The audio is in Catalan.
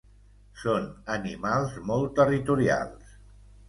Són animals molt territorials.